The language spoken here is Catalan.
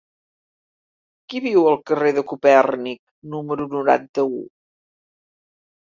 Qui viu al carrer de Copèrnic número noranta-u?